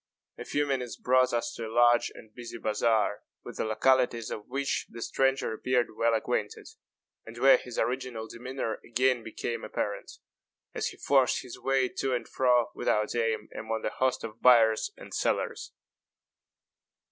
A few minutes brought us to a large and busy bazaar, with the localities of which the stranger appeared well acquainted, and where his original demeanor again became apparent, as he forced his way to and fro, without aim, among the host of buyers and sellers.